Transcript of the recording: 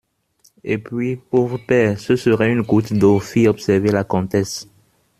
Et puis, pauvre père, ce serait une goutte d'eau, fit observer la comtesse.